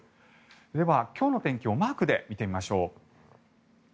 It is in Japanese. では、今日の天気をマークで見てみましょう。